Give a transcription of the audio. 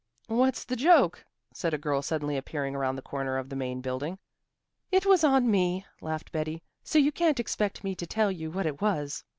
"What's the joke?" said a girl suddenly appearing around the corner of the Main Building. "It was on me," laughed Betty, "so you can't expect me to tell you what it was."